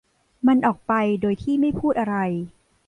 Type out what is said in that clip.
มันออกไปโดยที่ไม่พูดอะไร